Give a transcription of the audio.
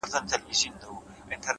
هره ناکامي د راتلونکي لارښود کېږي.!